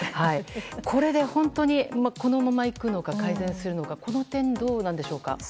これで本当にこのままいくのか改善するのかこの点、どうなんでしょうか。